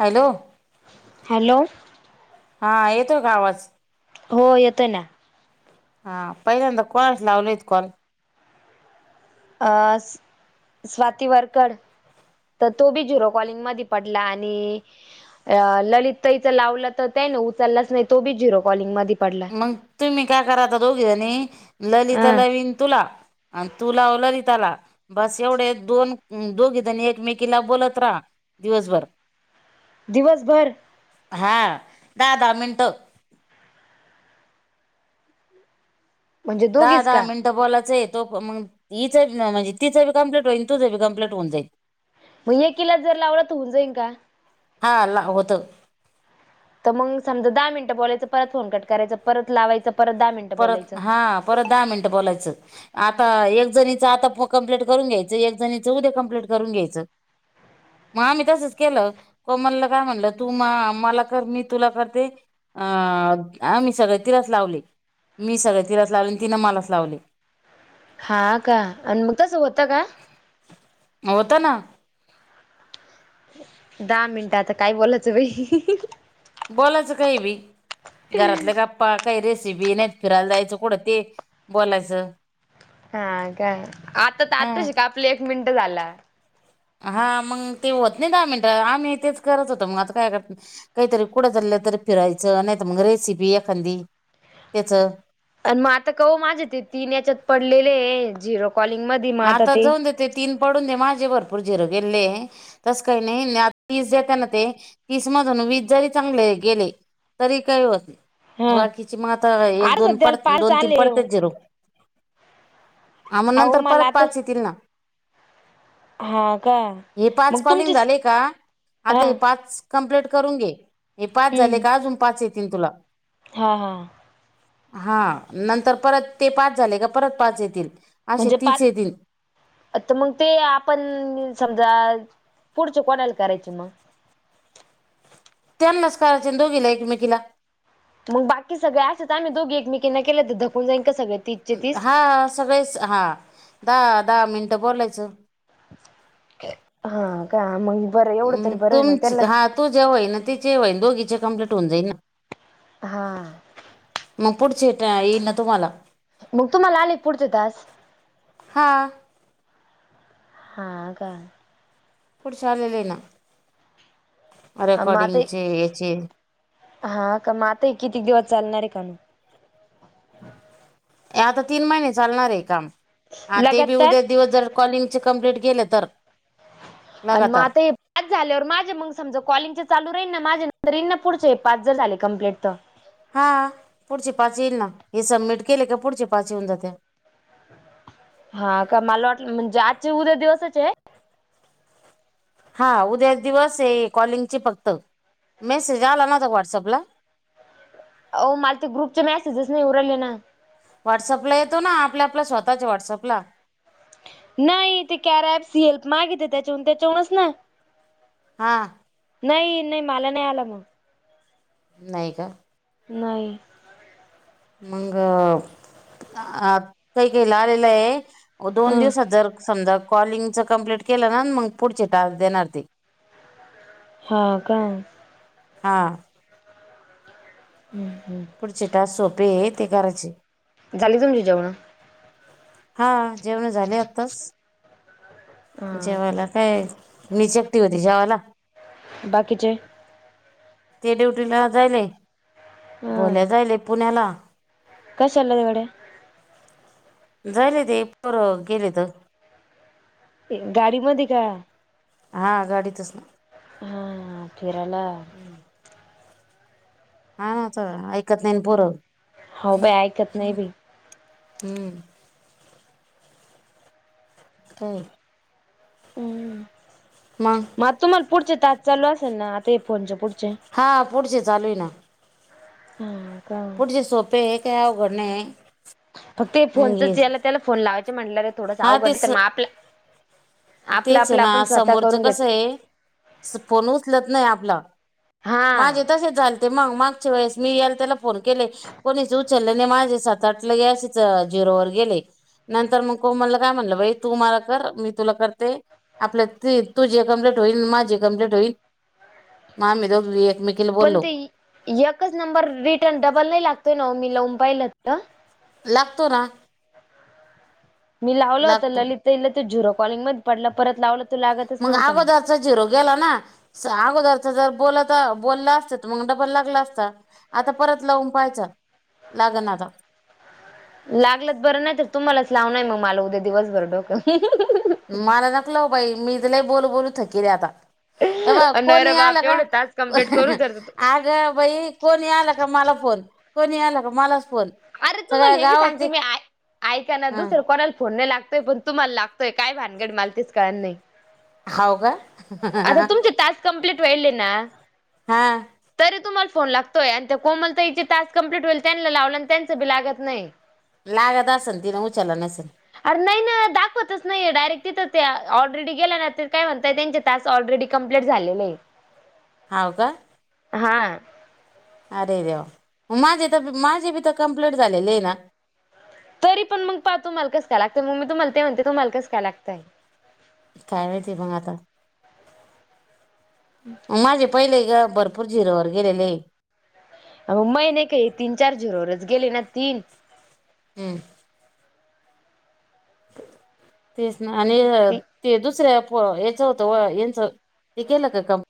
Hello. Hello. हा येतोय काय आवाज? हो येतोय ना. हा पहिल्यांदा कोणच लावलंय कॉल? आ स्वाती वर्करड. तर तो बी जिरो कॉलिंग मध्ये पटला आणि या ललितताईचं लावलं तर त्याने उचललाच नाही तो बी झिरो कॉलिंग मध्ये पड मंग तुम्ही काय करा आता दोघी जणी ललिता हा लवीन तुला आणि तु लाव ललिताला. बस एवढे दोन उम्म दोघी जणी एकमेकीला बोलत राहा दिवसभर. दिवसभर हा दहा दहा मिनटं. म्हणजे दोघीच दहा-दहा का मिनटं बोलायच तो पण मंग तिचं म म्हणजे तिचं कंप्लीट होईन तुझं बी कंप्लीट होऊन जाईल. मग एकिला जर लावलं तर होऊन जाईन का? हा ला होतं. तर मंग समजा दहा मिनट बोलायचं परत फोन कट करायचं परत लावायचं परत दहा मिन परत हा परत दहा मिनटं बोलायचं. आता एक जणीचं आता प कम्प्लीट करून घ्यायचं एक जणीचं उद्या कम्प्लीट करून घ्यायचं. म आम्ही तसच केलं कोमलला काय म्हणलं तू मा मला कर मी तुला करते अ आम्ही सगळे तिलास लावले. मी सगळं तिलाच लावले आणि तिनं मलाच लावले. हा का आणि मंग तसं होतं का? होतं ना. दहा मिनटं आता काय बोलायचं बाई. बोलायचं काही बी घरातल्या गप्पा काही रेसिपी नाहीतर फिरायला जायचं कुठं ते बोलायचं. हा काय आता हा आतशी का आपली एक मिनटं झाला. हा मंग ते होत नाही दहा मिनटं आम्ही तेच करत होतो मग आता काय कर काहीतरी कुठ चाललं तरी फिरायचं नाहीतर मग रेसिपी एखादी त्याचा. आणि म आता कव माझे ते तीन याच्यात पडलेले झिरो कॉलिंग मध आता जाऊन देत ते तीन पडून दे माझे भरपूर झिरो गेल्ले. तसं काही [unintelligible] तीस देत्याना ते तीस मधून वीस जरी चांगले गेले तरी काही होत नाही. हा बाकीची मग आता एक अरे दोन सध्याला पड पाच दोन तीन आले पडतेच झिरो. आ म अहो नंतर मला परत आता पाच येतील ना. हा का हे मग पाच तुमची कॉलिंग झाले का हा आता हे पाच कंप्लेट करून घे हे पाच झाले हम्म का अजून पाच येतीन तुला. हा हा. हा नंतर परत ते पाच झाले का परत पाच येतील. असे म्हणजे पाच तीच येतील आता मंग ते आपण समजा पुढचे कोणाला करायचे मग? त्यांनाच करायचे आन दोघीला एकमेकीला. मग बाकी सगळे असं तर आम्ही दोघे एकमेकांना केले तर धकून जाईन का सगळे? तीसचे तीस हा, सगळेच हा दहा दहा मिनटं बोलायचं. हा का मग बरं एवढं तरी बरं आहे. मग त्यालाच तो जेव्हाई ना तिचेईन दोघीचे कम्प्लीट होऊन जाई ना. हा,? मग पुढचेट येईल ना तुम्हाला, तुम्हाला पुढचे टास्क, हा. हा काय? पुढचे आलेना मग आता रेकॉडींगचेचे, हा, का माते आता किती दिवस चालणार आहे. कोण आता तीन महिने चालणार आहे काम. आ ते बी लगातार उद्या दिवस जर कॉलिकचे कप्लीट केले तर, आणिन मा लगातार ते, पाच झाल्यावर माझे मग समजा कॉलिंग चालू राहीन, ना माझे नर राईन ना पुढचे हे पाच ज झाले कम्प्लीट तर, हा? पुढचे पाच येईल ना हे सबमिट केले का पुढचे पाच येऊन जाते. हा का मला वाटलं म्हणजे आजची उद्या दिवसाच आहे? हा उद्या दिवस आहे कॉलिंगची फक्त, मेसेज आला ना त व्हॉट्सअपला. हो मला ते ग्रुपचे मेजस नाही उरले ना. व्हॉट्सअप ला ना आपल्या आपल्या स्वतःच्या व्हाट्सअपला. नाही, कॅरप सी हेल्प त्याच्याून त्याच्याूनच ना. हा, नाही नाही, मला नाही आला फोन मग, नाही का,? नाही, मंग, काही लागलेलं आहे, दोन हं दिवसात जर समजा कॉलिंगच कमप्लीट केलं ना मग पुढचे टास्क देणार ते, हा का, हा,? हम्म हम्म, जे टास्क सोपे ते करयाचे, झाली तुमची जेवणं, हा जेवणं झाले आत्ताच, हा का जेवायाला काय मीच एकटी होती जेवायाला, बाकीचे, ते ड्युटीला जायेल, हा भोल्या जायले पुण्याला, कशाला एवढ्या, जायेल ते, पोरं गेले तर, गाडीमध्ये का? हा गाडीतच,? हा फिरायला, हम्, हा ना तर ऐकत नाही ना पोरं, हो, का बाई ऐकत नाही बी, हम्म, हम्, हू मग तुम्हाला पुढचे टास्क चालू असेल ना, आता हे फोनचे पुढचे? हां पुढचे चालु ये ना. हा. का पुढचे सोपे आहे, काही अवघड नाहीये. फक्त हे फोनचच, याला त्याला फोन लावायच म्हटलं, रे थोडस हा अवघड तेच तर मग आपल तेच ये ना, समोरच घेतो कसये फोन उचलत नाही आपला. हा माझे तसेच झालते मग, मागच्या वेळेस मी याला त्याला फोन केले कोणीच उचलले नाही. माझे सात, आठ अशेच झिरो वर गेले. नंतर मग कोमलला काय म्हटलं बाई. तु मला कर, मी तुला कर ते. आपल्यात जे तुझे कंप्लेट होईल. माजे कंप्लेट होईल. म आम्ही दोघी मग एकमेकी पणं ते एकच नंबर रिटर्न डबल नाही लागतोय नव्ह. मी लावुन पाहिला तर लागतो ना. मी लावला होता लागतो ललित ताइला झिरो कॉल मध्ये पडला, परत लावलं तर मग अगोदरचा झिरो गेला ना. अगोदरच जर बोल तर बोलला असत, तर मग डबल लागला असता. आता परत लावून पाहायचा. लागना आता. लागलंत बरं नाही तर, तुम्हालाच लाव ना मग मला उद्या दिवसभर डोकं. मला नको लाऊ बाई. मी तर लई बोलू बोलू थकेली आता. हे बघा नाही रे कोणी आला बाप का? एवढे तास [inaudible] कंप्लीट करू तर हा आगं. बाई कोणी आला का मला फोन? कोणी आला का मलाच फोन? आरे सगळ्या तुम्हाला हे बी सांगते गावातले मी, ऐ ऐका ना, ह दुसरं कोणाला फोन नाई लागतोय पण. तुम्हाला लागतोय काय भानगड मला तेच कळाल नाही. हाव का आता तुमचे टास्क कंप्लीट व्हायले ना? हा. तरी तुम्हाला फोन लागतोय आणि त्या कोमल ताईचे टास कम्प्लीट होईल, त्यांना लावला आणि त्यांच बी लागत नाही. लागत असन ति ना उचलला नसेल. अर नाही ना दाखवतच नाही. डायरेक्ट तिथं ते ऑलरेडी गेल्या ना, ते काय म्हणताय त्यांच्या टास आलरेडी कॉम्पलिट झालेलं ये. हाव का? हा. अरे देेवा! माझे तर, माझे बी तर, कम्प्लेट झालेले ये ना. तरी पण मग पाहा तूमाला कस काय लागतय? मग मी तुम्हाला ते म्हनते, तूमाला कस काय लागतय? काय माहिती मग आता. हा. माझे पहिले ग, भरपूर झिरोवर गेलेले ये. अ म मै नाही का तीन चार झीरोवरच गेले ना, तीन हू. तेच ना आणि ती ते दुसऱ्या फो याचं होतं व यांच ते केलं का काम?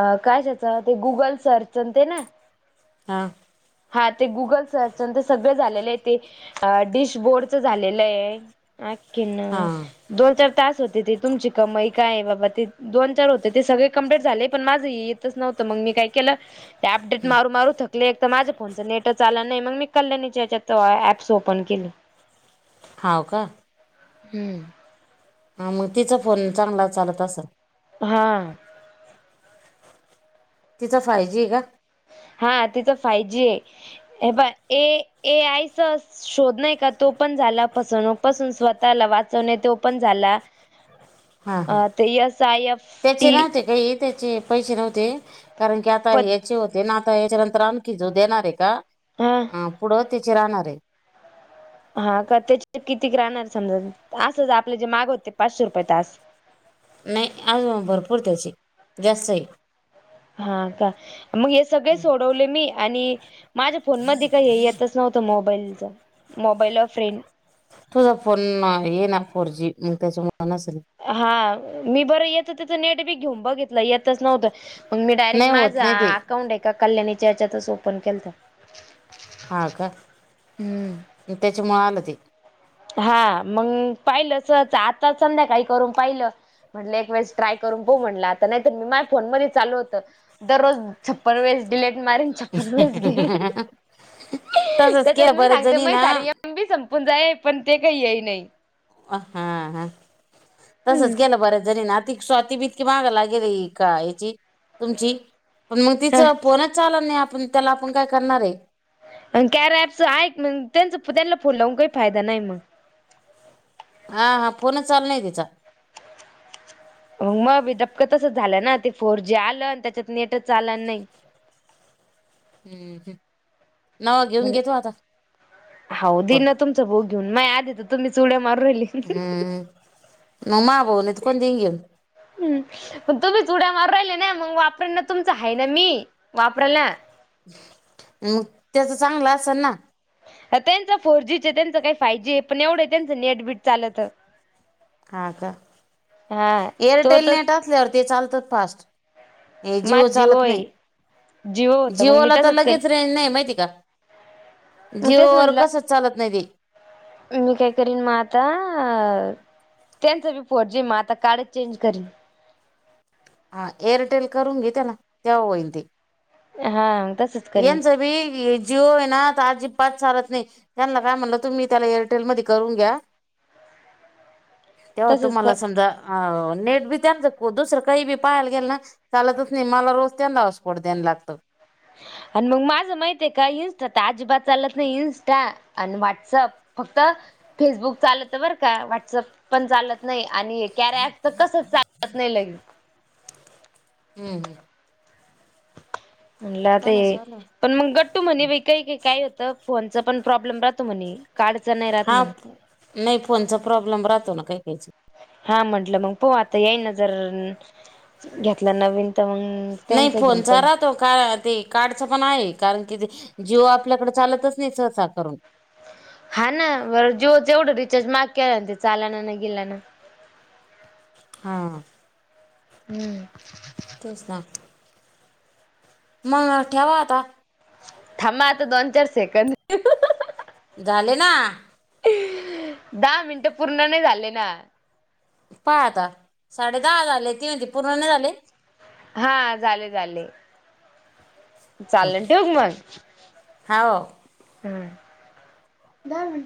अ काय त्याच ते गुगल सर्च ते न हा. हा ते गुगल सर्चन ते, सगळं झालेलं आहे ते. अ डिश बोर्डच झालेल हाय. हा खीन हा दोन चार तास होते, ती तुमची कमाई काय आहे? बाबा ती दोन चार होते ते सगळे कंप्लीट झाले, पण माझ हे येतच न्हवत, मग मी काय केल त्या अपडेट मारून मारून थकले एकतर माज. आमच नेटच चाल नाही मग मी कल्याणीच्या हेच्यात ऍप्स ओपन केले. हाव का. हूं. हा मग तिचा फोन चांगला चालत असल. हा. तिजा फायजी आहे का. हा तिचं फाय जी आहे हे बग ए ए आयच. शोध नाही का तो पण झाला पसवनुक स्वतःला वाचवणे तो पण झाला. हा अ ते यस आय एफ टी. हे ही त्याचे आहेत. पैसे नव्हते कारण की आता प या याचे होते ना आता याच्या नंतर आणखी जो देणार आहे का. हा पुढ त्याची राहणार आहे. हा का त्याचे किती क राहणार समजा अस आपले जे माग होते पाचशे रुपये तास. नाही आज भरपूर तास आहे जास्तच आहे. हा का मग हे सगळे सोडवले मी आणि माझ्या फोन मध्ये का हे येतच नाही. व्हत मोबाईलच मोबाईल फ्रेंड. तुझा फोन ये ना फोर जी मग त्याच्या मान असल. हा मी बर येत तिथ नेट बी घेऊन बघितल येतच नव्हत. मग मी डायरेक्ट नाही होत माझा नाही ते अकाउंट आहे का एका कल्याणीच्या हेचात ओपन केलत. हा का त्याच्यामुळ आल ते. हा मग पाहिलच आता संध्याकाळी करून पाहिल. म्हटल एक वेळेस ट्राय करून पाहू म्हटल आता नाहीतर माझ्या फोन मध्ये चालू होत. दररोज छप्पन वेळेस डिलेट मारीन. रस घे तसच त्याच्यात केलं मी बऱ्याच सांगते जणी मे ना कार्या. लांबी संपून जाई पण ते काही येई नाही. अ हा हा तसच हम्म. केल बर जरी ना. स्वाती बतकी महागाय लागेल का याची तुमची. हा तिचं पोनच चाल नाही आपण त्याला आपण काय करणार आहे. अ कॅर पच आहे मग त्यांच त्यांना फोन लावून काही फायदा नाही मग. हा हा फोनच चाल नाही तिचा. मगी पक तसं झालं ना ते फोर जी आलं आणि त्याच्यात नेटच आलं नाही. हम्म ह नवा घेऊन म्हण घेतो आता फण. ब घेऊनग आ य तुम्ही चुड्या मार राहिली. हम्म मग मा भाऊन त कोण देन घेऊन. ह तुम्ही च उुड्या मार राहिले ना मग वापराय ना तुमच आहे ना मी वापराय ना. मग त्याच चांगलं असेल ना. त्यांच फोर जीचे त्यांचं काही फाय जी आहे पण एवढं त्यांचं नेटबी लत. हा का हा तो एअरटेल तच नेट असल्यावर ते चालतात फास्ट. हे माझ जिओ चालत आहे जिओ नाही होत मग मी जिओला तर तसच करेन लगेच रेंज नाही माहिती का. मग जिओ वर कसच चालत नाही ते. मीककरन माता. टेन फोर जी मग आता का्च चेंज करी. हा एअरटेल करून घेत त्या ना तेव्हा होईन ते. हा तसच. करीन येनच बी जिओ आहे ना आता अजिबात चालत नाही, त्यांना काय म्हणलं तुम्ही त्याला एअरटेल मध्ये करून घ्या. [unintelligible] तेव्हा तुम्हाला कर समजा अ नेट बी त्या दुसरं काही बी पाहायला गेल ना चालतच नाही मला रोज त्यांंना हॉटस्पॉट द्यायला लागतं. आणि मग माझं माहिती आहेय का इंस्टा त अजिबात चालत नाही इनस्टा आणि व्ह्हाट्सअप फक्त फेसबुक चालत बर का व्हॉट्सअप पण चालत नाही आणि कॅरफ तर कस चालत नाही लगेन हम् हम् म्हणलं तर कोणाचा आला पण मग गट्टू म्हणे बा काही काय होतं फोनच पण प्रॉब्लेम राहतो म्हणे. कार्डच नाही राहात हा म्हणे. नाही फोनचा प्रॉब्लेम राहतो ना काही- काहीच हा म्हटलं मग प आता येई न जर घेतला नवीन तर मग नाही त्यांच घेऊन फोनचा पाहिन रहा तो का ते कार्डच पण आहे कारण की जिओ आपल्याकडे चालतच नाही सहसा करून. हा ना बरं जिओच एवढं रिचार्ज महाग केला ते चालाना ना गेला ना. हा हम्म तेच ना मग ठेवा आता. थांबा आता दोन-चार सेकंद झाले ना दहा मिंनट पूर्ण नाही झाले ना? पाहा आता साडे दहा झाले ती म्हणती पूर्ण नाही झाले. हा झाले झाले. चाललं ठेवू का मग हाव हम्म.